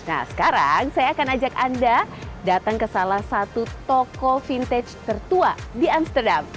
nah sekarang saya akan ajak anda datang ke salah satu toko vintage tertua di amsterdam